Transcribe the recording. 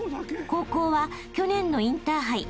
［高校は去年のインターハイ